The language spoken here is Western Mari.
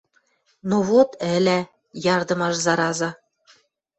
Но вот — ӹла, ярдымаш зараза...»